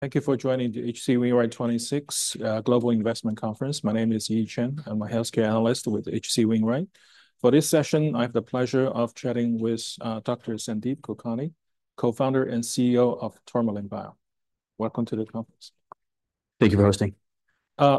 Thank you for joining the H.C. Wainwright 26th Global Investment Conference. My name is Yi Chen. I'm a healthcare analyst with H.C. Wainwright. For this session, I have the pleasure of chatting with Dr. Sandeep Kulkarni, Co-Founder and CEO of Tourmaline Bio. Welcome to the conference. Thank you for hosting.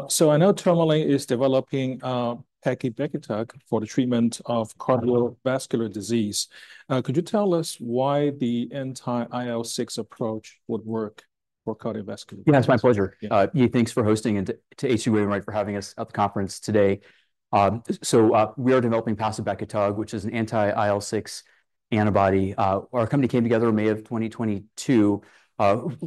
So I know Tourmaline is developing TOUR006 for the treatment of cardiovascular disease. Could you tell us why the anti-IL-6 approach would work for cardiovascular disease? Yeah, it's my pleasure. Yi, thanks for hosting, and to H.C. Wainwright for having us at the conference today. We are developing TOUR006, which is an anti-IL-6 antibody. Our company came together in May of 2022,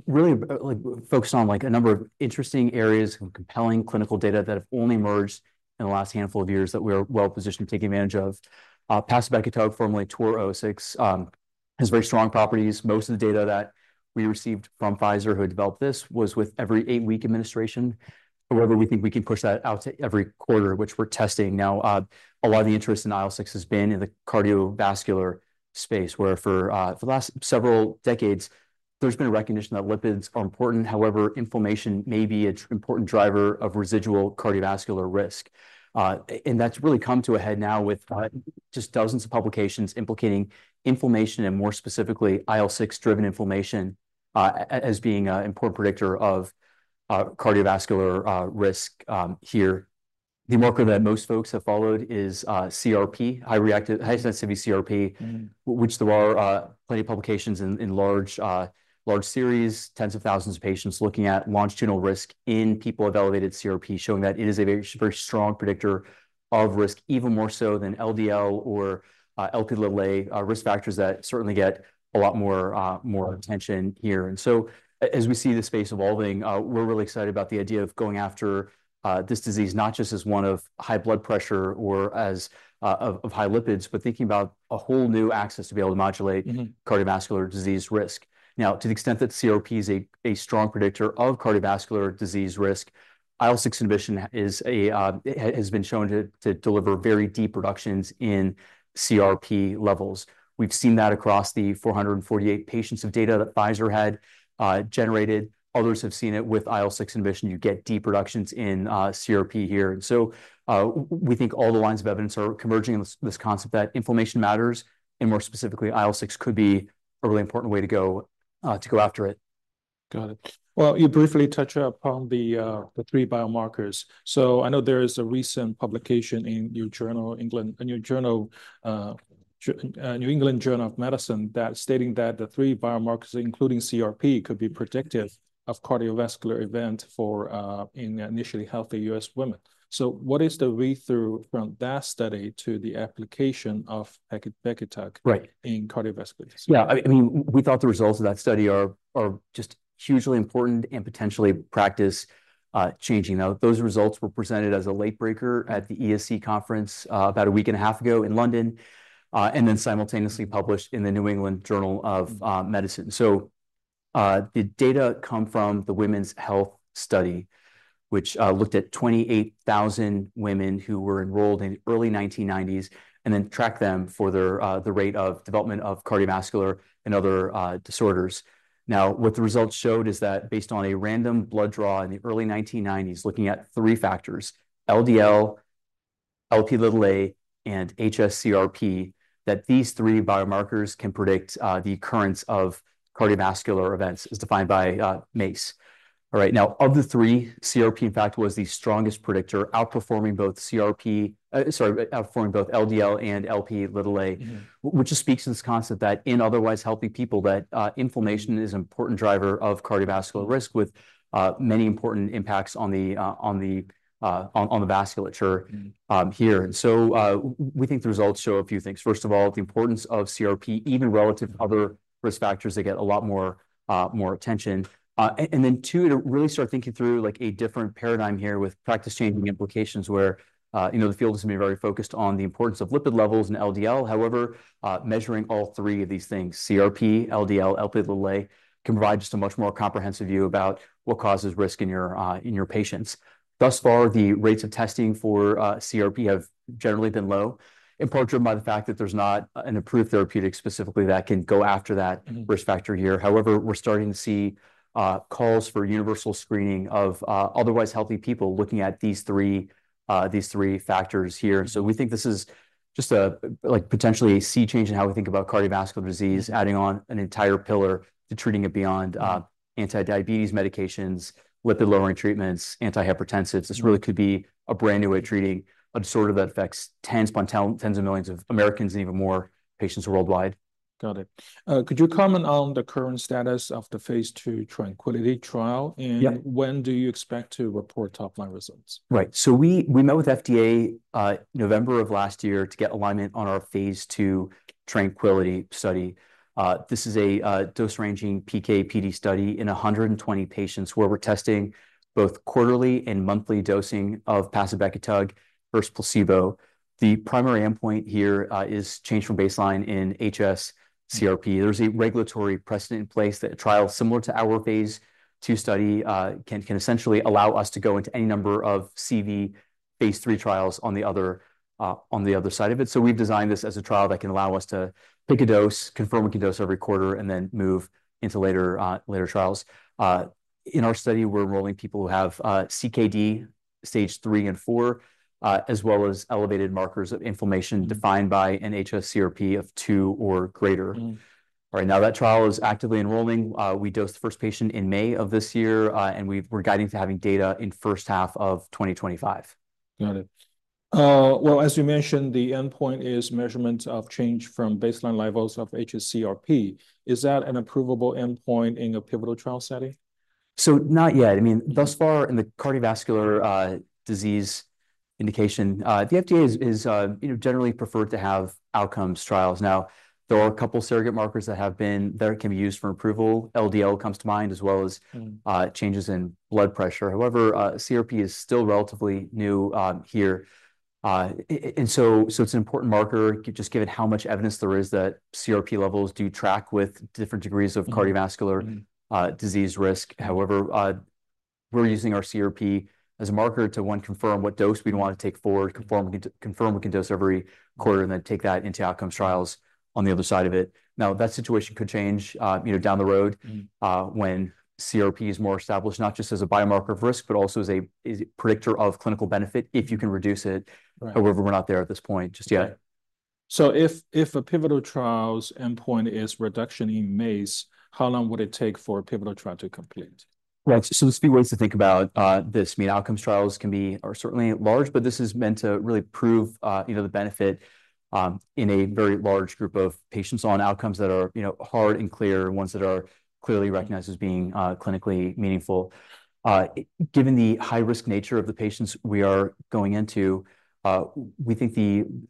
really, like, focused on, like, a number of interesting areas and compelling clinical data that have only emerged in the last handful of years that we are well-positioned to taking advantage of. TOUR006, formerly TOR006, has very strong properties. Most of the data that we received from Pfizer, who had developed this, was with every eight-week administration. However, we think we can push that out to every quarter, which we're testing now. A lot of the interest in IL-6 has been in the cardiovascular space, where for the last several decades, there's been a recognition that lipids are important. However, inflammation may be an important driver of residual cardiovascular risk. And that's really come to a head now with just dozens of publications implicating inflammation and, more specifically, IL-6-driven inflammation, as being an important predictor of cardiovascular risk here. The marker that most folks have followed is high-sensitivity CRP which there are plenty of publications in large series, tens of thousands of patients looking at longitudinal risk in people with elevated CRP, showing that it is a very, very strong predictor of risk, even more so than LDL or Lp(a) risk factors that certainly get a lot more attention here. And so as we see the space evolving, we're really excited about the idea of going after this disease, not just as one of high blood pressure or as of high lipids, but thinking about a whole new axis to be able to modulate. Mm-hmm. Cardiovascular disease risk. Now, to the extent that CRP is a strong predictor of cardiovascular disease risk, IL-6 inhibition has been shown to deliver very deep reductions in CRP levels. We've seen that across the four hundred and forty-eight patients of data that Pfizer had generated. Others have seen it with IL-6 inhibition. You get deep reductions in CRP here. And so, we think all the lines of evidence are converging on this concept that inflammation matters, and more specifically, IL-6 could be a really important way to go after it. Got it. Well, you briefly touched upon the three biomarkers. So I know there is a recent publication in New England Journal of Medicine that stating that the three biomarkers, including CRP, could be predictive of cardiovascular event for in initially healthy U.S. women. So what is the read-through from that study to the application of pacibekitug in cardiovascular disease? Yeah, I mean, we thought the results of that study are just hugely important and potentially practice changing. Now, those results were presented as a late breaker at the ESC conference about a week and a half ago in London, and then simultaneously published in the New England Journal of Medicine. So, the data come from the Women's Health Study, which looked at 28,000 women who were enrolled in the early 1990s, and then tracked them for their, the rate of development of cardiovascular and other disorders. Now, what the results showed is that based on a random blood draw in the early 1990s, looking at three factors: LDL, Lp(a), and hs-CRP, that these three biomarkers can predict the occurrence of cardiovascular events as defined by MACE. All right, now, of the three, CRP, in fact, was the strongest predictor, outperforming both CRP, sorry, outperforming both LDL and Lp(a) which just speaks to this concept that in otherwise healthy people, that, inflammation is an important driver of cardiovascular risk, with, many important impacts on the, on the vasculature here. Mm-hmm We think the results show a few things. First of all, the importance of CRP, even relative to other risk factors, they get a lot more attention and then, two, to really start thinking through, like, a different paradigm here with practice-changing implications where, you know, the field has been very focused on the importance of lipid levels and LDL. However, measuring all three of these things, CRP, LDL, Lp(a), can provide just a much more comprehensive view about what causes risk in your patients. Thus far, the rates of testing for CRP have generally been low, in part driven by the fact that there's not an approved therapeutic specifically that can go after that risk factor here. However, we're starting to see calls for universal screening of otherwise healthy people looking at these three factors here. Mm-hmm. We think this is just a, like, potentially a sea change in how we think about cardiovascular disease, adding on an entire pillar to treating it beyond anti-diabetes medications, lipid-lowering treatments, anti-hypertensives. Mm-hmm. This really could be a brand-new way of treating a disorder that affects tens upon tens of millions of Americans and even more patients worldwide. Got it. Could you comment on the current status of the phase II TRANQUILITY trial? Yep When do you expect to report top-line results? Right. So we met with FDA, November of last year to get alignment on our phase II TRANQUILITY study. This is a dose-ranging PK/PD study in 120 patients, where we're testing both quarterly and monthly dosing of TOUR006 versus placebo. The primary endpoint here is change from baseline in hs-CRP. Mm-hmm. There's a regulatory precedent in place that a trial similar to our phase II study can essentially allow us to go into any number of CV phase III trials on the other side of it. So we've designed this as a trial that can allow us to pick a dose, confirm we can dose every quarter, and then move into later trials. In our study, we're enrolling people who have CKD stage III and IV as well as elevated markers of inflammation defined by an hs-CRP of two or greater. Mm. Right now, that trial is actively enrolling. We dosed the first patient in May of this year, and we're guiding to having data in first half of 2025. Got it. Well, as you mentioned, the endpoint is measurement of change from baseline levels of hs-CRP. Is that an approvable endpoint in a pivotal trial setting? So not yet. I mean, thus far, in the cardiovascular disease indication, the FDA is, you know, generally preferred to have outcomes trials. Now, there are a couple surrogate markers that can be used for approval. LDL comes to mind, as well as changes in blood pressure. However, CRP is still relatively new here. And so it's an important marker, just given how much evidence there is that CRP levels do track with different degrees of cardiovascular, disease risk. However, we're using our CRP as a marker to, one, confirm what dose we'd want to take forward, confirm we can dose every quarter, and then take that into outcomes trials on the other side of it. Now, that situation could change, you know, down the road when CRP is more established, not just as a biomarker of risk, but also as a predictor of clinical benefit, if you can reduce it. Right. However, we're not there at this point just yet. Right. So if a pivotal trial's endpoint is reduction in MACE, how long would it take for a pivotal trial to complete? Right. So there's a few ways to think about this. I mean, outcomes trials are certainly large, but this is meant to really prove you know the benefit in a very large group of patients on outcomes that are you know hard and clear, ones that are clearly recognized as being clinically meaningful. Given the high-risk nature of the patients we are going into, we think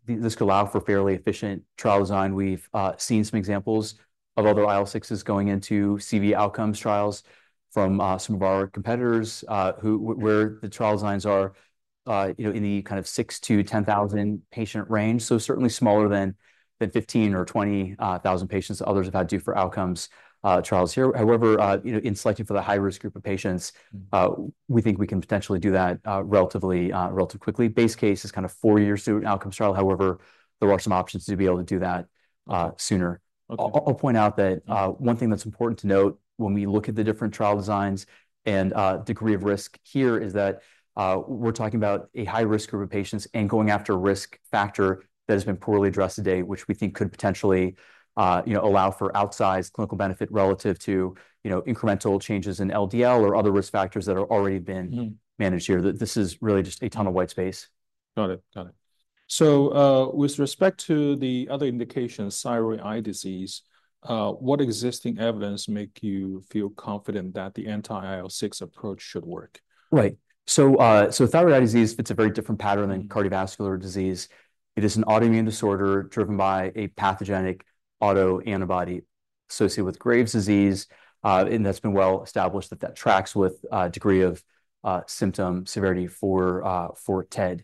this could allow for fairly efficient trial design. We've seen some examples of other IL-6s going into CV outcomes trials from some of our competitors, where the trial designs are you know in the kind of 6-10 thousand patient range. So certainly smaller than 15 or 20 thousand patients others have had to do for outcomes trials here. However, you know, in selecting for the high-risk group of patients we think we can potentially do that relatively quickly. Base case is kind of four years to an outcomes trial. However, there are some options to be able to do that sooner. Okay. I'll point out that one thing that's important to note when we look at the different trial designs and degree of risk here is that we're talking about a high-risk group of patients and going after a risk factor that has been poorly addressed today, which we think could potentially, you know, allow for outsized clinical benefit relative to, you know, incremental changes in LDL or other risk factors that are already been managed here. This is really just a ton of white space. Got it, got it. So, with respect to the other indications, thyroid eye disease, what existing evidence make you feel confident that the anti-IL-6 approach should work? Right. So, thyroid eye disease, it's a very different pattern than cardiovascular disease. It is an autoimmune disorder driven by a pathogenic autoantibody associated with Graves' disease, and that's been well established that that tracks with degree of symptom severity for TED.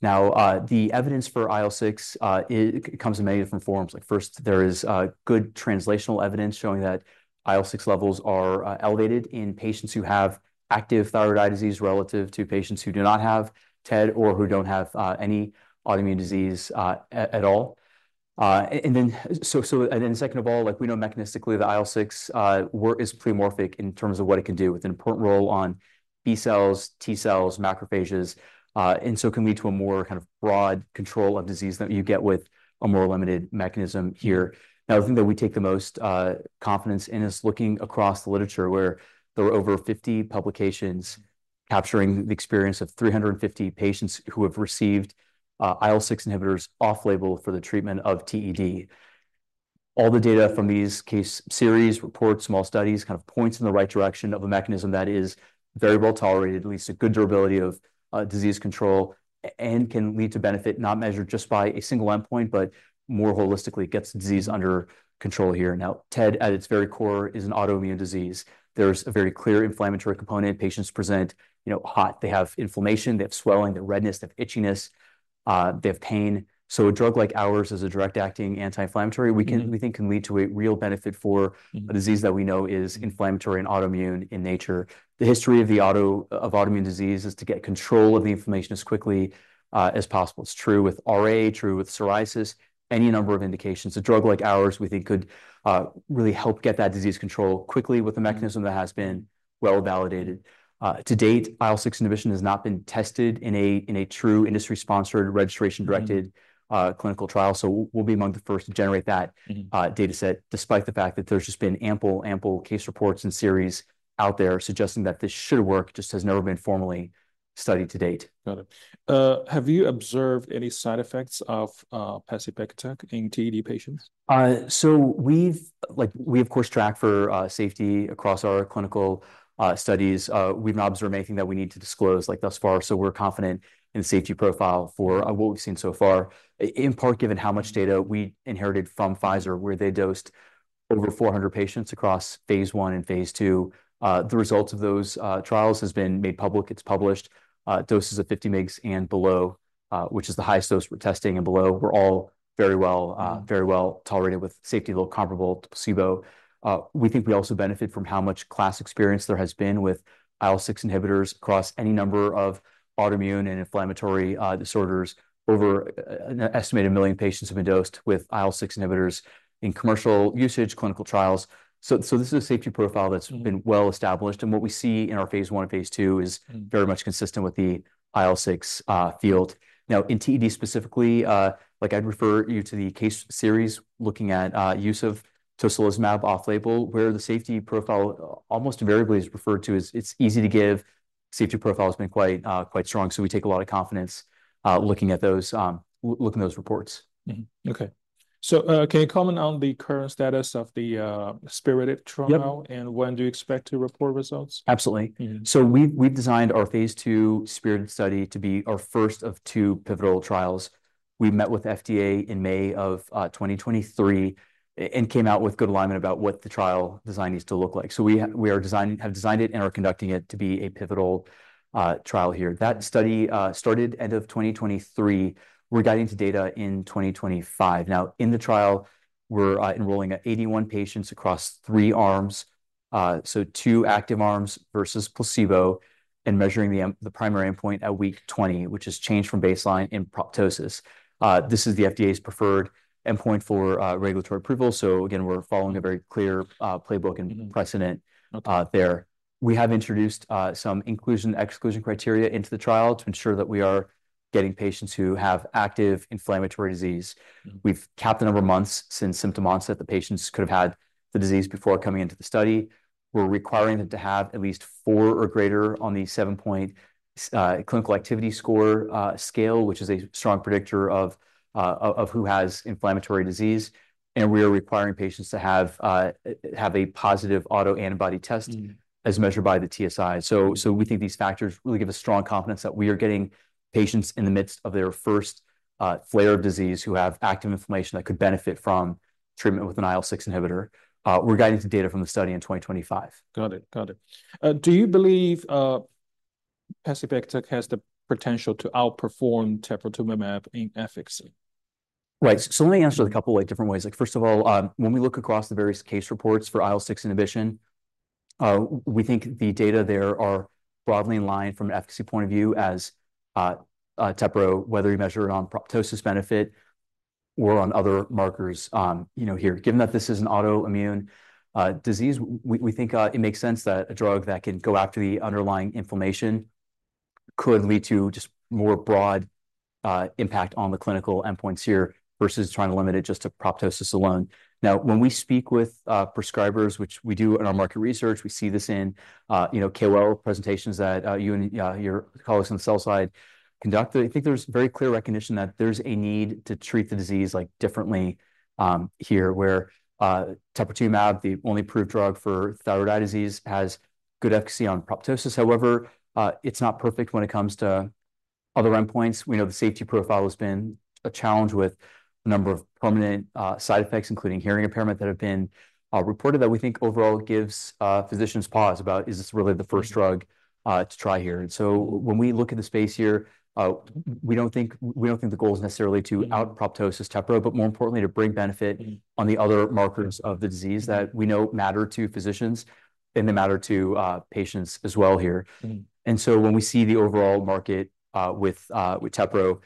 Now, the evidence for IL-6, it comes in many different forms. Like, first, there is good translational evidence showing that IL-6 levels are elevated in patients who have active thyroid eye disease relative to patients who do not have TED or who don't have any autoimmune disease at all. And then second of all, like, we know mechanistically, the IL-6 work is pleiotropic in terms of what it can do, with an important role on B cells, T cells, macrophages, and so can lead to a more kind of broad control of disease than you get with a more limited mechanism here. Now, the thing that we take the most confidence in is looking across the literature, where there are over 50 publications capturing the experience of 350 patients who have received IL-6 inhibitors off-label for the treatment of TED. All the data from these case series, reports, small studies, kind of points in the right direction of a mechanism that is very well tolerated, at least a good durability of disease control, and can lead to benefit, not measured just by a single endpoint, but more holistically gets the disease under control here. Now, TED, at its very core, is an autoimmune disease. There's a very clear inflammatory component. Patients present, you know, hot. They have inflammation, they have swelling, they have redness, they have itchiness, they have pain. So a drug like ours is a direct-acting anti-inflammatory we think can lead to a real benefit for a disease that we know is inflammatory and autoimmune in nature. The history of autoimmune disease is to get control of the inflammation as quickly as possible. It's true with RA, true with psoriasis, any number of indications. A drug like ours, we think, could really help get that disease controlled quickly with a mechanism that has been well validated. To date, IL-6 inhibition has not been tested in a true industry-sponsored, registration-directed clinical trial, so we'll be among the first to generate that dataset, despite the fact that there's just been ample, ample case reports and series out there suggesting that this should work, just has never been formally studied to date. Got it. Have you observed any side effects of TOUR006 in TED patients? So we've, like, of course, track safety across our clinical studies. We've not observed anything that we need to disclose, like, thus far, so we're confident in the safety profile for what we've seen so far, in part, given how much data we inherited from Pfizer, where they dosed over 400 patients across phase I and phase II. The results of those trials has been made public. It's published. Doses of 50 mg and below, which is the highest dose we're testing, were all very well tolerated, with safety level comparable to placebo. We think we also benefit from how much class experience there has been with IL-6 inhibitors across any number of autoimmune and inflammatory disorders. Over an estimated million patients have been dosed with IL-6 inhibitors in commercial usage, clinical trials. So, this is a safety profile that's been well established, and what we see in our phase I and phase II is very much consistent with the IL-6 field. Now, in TED specifically, like, I'd refer you to the case series looking at use of tocilizumab off-label, where the safety profile almost invariably is referred to as it's easy to give. Safety profile has been quite strong, so we take a lot of confidence looking at those reports. Mm-hmm. Okay. So, can you comment on the current status of the spiriTED trial? Yep And when do you expect to report results? Absolutely. So we've designed our phase II spiriTED study to be our first of two pivotal trials. We met with FDA in May of 2023 and came out with good alignment about what the trial design needs to look like. So we have designed it and are conducting it to be a pivotal trial here. That study started end of 2023. We're guiding to data in 2025. Now, in the trial, we're enrolling 81 patients across three arms. So two active arms versus placebo, and measuring the primary endpoint at week 20, which is changed from baseline in proptosis. This is the FDA's preferred endpoint for regulatory approval, so again, we're following a very clear playbook and precedent, there. Okay. We have introduced some inclusion/exclusion criteria into the trial to ensure that we are getting patients who have active inflammatory disease. Mm-hmm. We've capped the number of months since symptom onset. The patients could have had the disease before coming into the study. We're requiring them to have at least four or greater on the seven-point Clinical Activity Score scale, which is a strong predictor of who has inflammatory disease, and we are requiring patients to have a positive autoantibody test as measured by the TSI. So, so we think these factors really give us strong confidence that we are getting patients in the midst of their first flare of disease, who have active inflammation that could benefit from treatment with an IL-6 inhibitor. We're guiding the data from the study in 2025. Got it, got it. Do you believe TOUR006 has the potential to outperform teprotumumab in efficacy? Right. So let me answer a couple, like, different ways. Like, first of all, when we look across the various case reports for IL-6 inhibition, we think the data there are broadly in line from an efficacy point of view as teprotumumab, whether you measure it on proptosis benefit or on other markers, you know, here. Given that this is an autoimmune disease, we think it makes sense that a drug that can go after the underlying inflammation could lead to just more broad impact on the clinical endpoints here, versus trying to limit it just to proptosis alone. Now, when we speak with prescribers, which we do in our market research, we see this in, you know, KOL presentations that you and your colleagues on the sell side conduct. I think there's very clear recognition that there's a need to treat the disease, like, differently, here, where, teprotumumab, the only approved drug for thyroid eye disease, has good efficacy on proptosis. However, it's not perfect when it comes to other endpoints. We know the safety profile has been a challenge with a number of prominent, side effects, including hearing impairment, that have been, reported, that we think overall gives, physicians pause about, "Is this really the first drug to try here? And so when we look at the space here, we don't think the goal is necessarily to out-proptosis Tepro, but more importantly, to bring benefit on the other markers of the disease that we know matter to physicians, and they matter to patients as well here. Mm. And so when we see the overall market, with Tepro,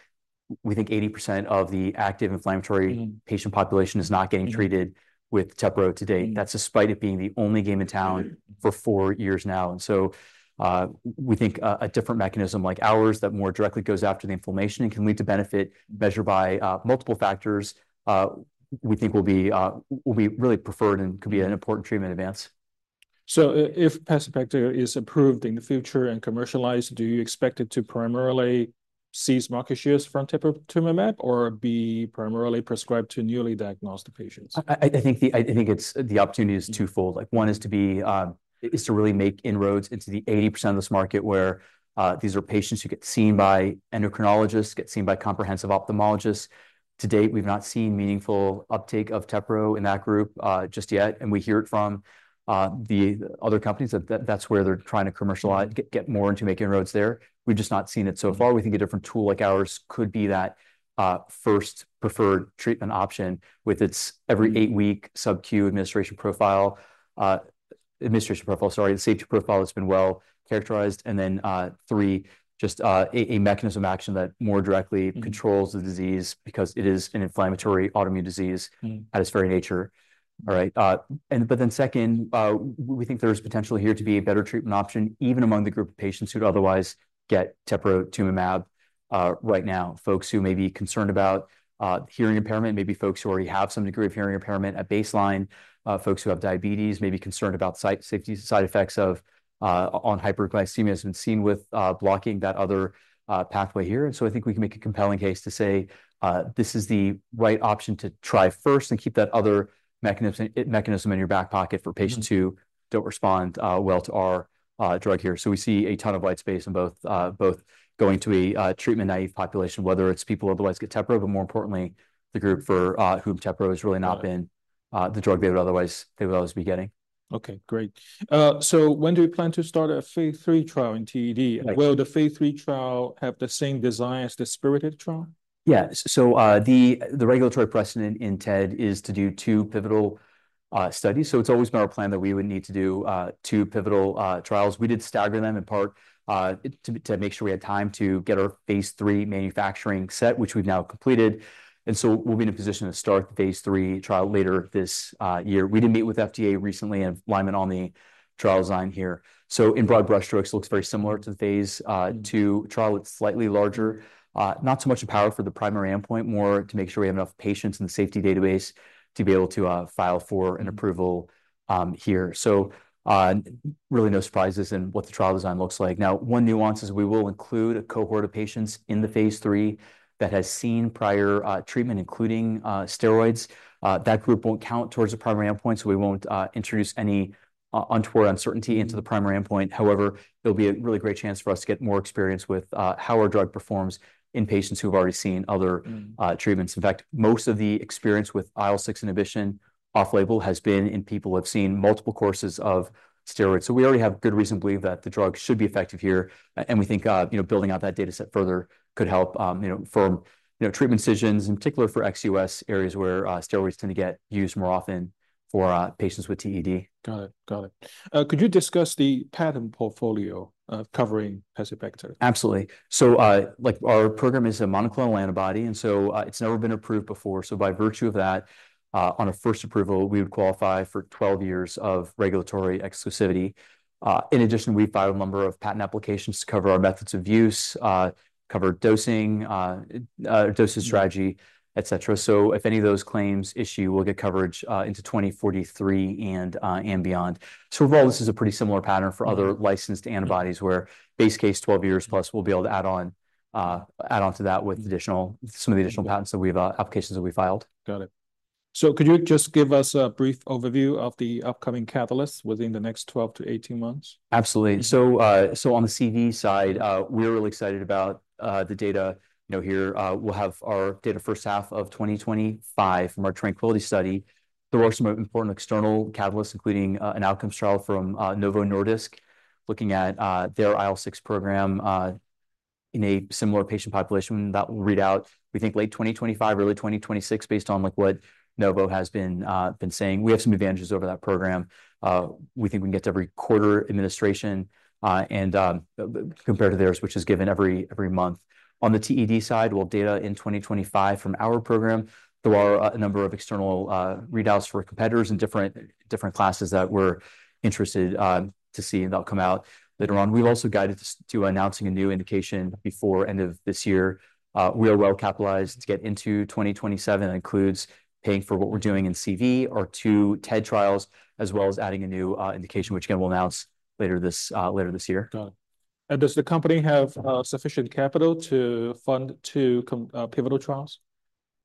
we think 80% of the active inflammatory patient population is not getting treated with teprotumumab to date. Mm. That's despite it being the only game in town for four years now. And so, we think a different mechanism like ours that more directly goes after the inflammation and can lead to benefit measured by multiple factors, we think will be really preferred and could be an important treatment advance. If TOUR006 is approved in the future and commercialized, do you expect it to primarily seize market shares from teprotumumab, or be primarily prescribed to newly diagnosed patients? I think it's the opportunity is twofold. Like, one is to really make inroads into the 80% of this market where these are patients who get seen by endocrinologists, get seen by comprehensive ophthalmologists. To date, we've not seen meaningful uptake of Tepro in that group just yet, and we hear it from the other companies that that's where they're trying to commercialize, get more into making inroads there. We've just not seen it so far. We think a different tool like ours could be that first preferred treatment option with its every eight-week subQ administration profile, sorry, the safety profile that's been well characterized. And then three, a mechanism action that more directly controls the disease because it is an inflammatory autoimmune disease at its very nature. All right, but then second, we think there is potential here to be a better treatment option, even among the group of patients who'd otherwise get teprotumumab right now. Folks who may be concerned about hearing impairment, maybe folks who already have some degree of hearing impairment at baseline, folks who have diabetes, may be concerned about side effects on hyperglycemia, as has been seen with blocking that other pathway here. And so I think we can make a compelling case to say, "This is the right option to try first and keep that other mechanism in your back pocket for patients who don't respond well to our drug here." So we see a ton of white space in both going to a treatment-naive population, whether it's people who otherwise get Tepro, but more importantly, the group for whom Tepro has really not been the drug they would otherwise be getting. Okay, great. So when do you plan to start a phase III trial in TED? Will the phase III trial have the same design as the spiriTED trial? Yeah. So, the regulatory precedent in TED is to do two pivotal studies. So it's always been our plan that we would need to do two pivotal trials. We did stagger them in part to make sure we had time to get our phase III manufacturing set, which we've now completed, and so we'll be in a position to start the phase III trial later this year. We did meet with FDA recently, and alignment on the trial design here. So in broad brushstrokes, it looks very similar to the phase II trial. It's slightly larger. Not so much the power for the primary endpoint, more to make sure we have enough patients in the safety database to be able to file for an approval here. So, really no surprises in what the trial design looks like. Now, one nuance is we will include a cohort of patients in the phase III that has seen prior treatment, including steroids. That group won't count towards the primary endpoint, so we won't introduce any untoward uncertainty into the primary endpoint. However, there'll be a really great chance for us to get more experience with how our drug performs in patients who've already seen other treatments. In fact, most of the experience with IL-6 inhibition off-label has been in people who have seen multiple courses of steroids. So we already have good reason to believe that the drug should be effective here, and we think, you know, building out that dataset further could help, you know, from, you know, treatment decisions, in particular for ex-US areas where steroids tend to get used more often for patients with TED. Got it. Got it. Could you discuss the patent portfolio covering TOUR006? Absolutely. So, like, our program is a monoclonal antibody, and so, it's never been approved before. So by virtue of that, on a first approval, we would qualify for twelve years of regulatory exclusivity. In addition, we filed a number of patent applications to cover our methods of use, cover dosing, dosage strategy et cetera. So if any of those claims issue, we'll get coverage into 2043 and beyond. So overall, this is a pretty similar pattern for other licensed antibodies, where base case, 12+ years, we'll be able to add on to that with additional some of the additional patents that we have, applications that we filed. Got it. So could you just give us a brief overview of the upcoming catalysts within the next 12-18 months? Absolutely. So, on the CV side, we're really excited about the data, you know, here. We'll have our data first half of 2025 from our TRANQUILITY study. There are some important external catalysts, including an outcomes trial from Novo Nordisk, looking at their IL-6 program in a similar patient population. That will read out, we think, late 2025, early 2026, based on, like, what Novo has been saying. We have some advantages over that program. We think we can get to every quarter administration, and compared to theirs, which is given every month. On the TED side, we'll have data in 2025 from our program. There are a number of external readouts for competitors in different classes that we're interested to see, and they'll come out later on. We've also guided this to announcing a new indication before end of this year. We are well capitalized to get into 2027. That includes paying for what we're doing in CV, our two TED trials, as well as adding a new indication, which again, we'll announce later this year. Got it. And does the company have sufficient capital to fund two pivotal trials?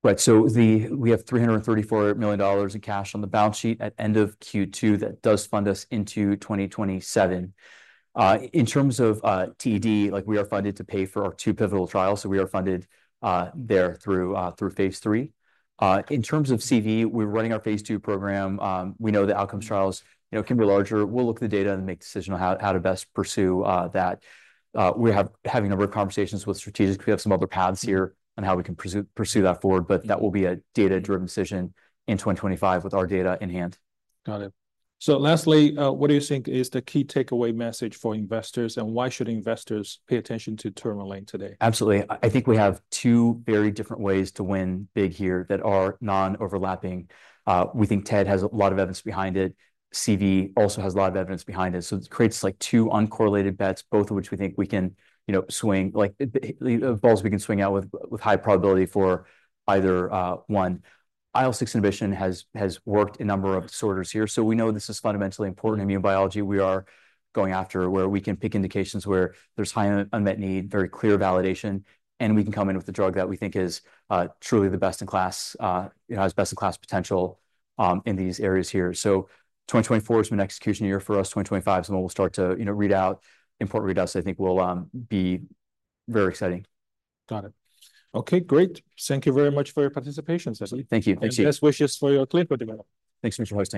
Right. So we have $334 million in cash on the balance sheet at end of Q2. That does fund us into 2027. In terms of TED, like, we are funded to pay for our two pivotal trials, so we are funded there through phase III. In terms of CV, we're running our phase II program. We know the outcomes trials, you know, can be larger. We'll look at the data and make a decision on how to best pursue that. We're having a number of conversations with strategics. We have some other paths here on how we can pursue that forward, but that will be a data-driven decision in 2025 with our data in hand. Got it. So lastly, what do you think is the key takeaway message for investors, and why should investors pay attention to Tourmaline today? Absolutely. I think we have two very different ways to win big here that are non-overlapping. We think TED has a lot of evidence behind it. CV also has a lot of evidence behind it, so it creates, like, two uncorrelated bets, both of which we think we can, you know, swing, like, balls we can swing out with, with high probability for either one. IL-6 inhibition has worked in a number of disorders here, so we know this is fundamentally important immune biology we are going after, where we can pick indications where there's high unmet need, very clear validation, and we can come in with a drug that we think is truly the best-in-class, you know, has best-in-class potential, in these areas here. So 2024 has been an execution year for us. 2025 is when we'll start to, you know, read out important readouts that I think will be very exciting. Got it. Okay, great. Thank you very much for your participation, Sandeep. Thank you. Thank you. Best wishes for your clinical development. Thanks so much for hosting.